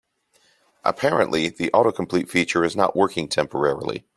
Apparently, the autocomplete feature is not working temporarily.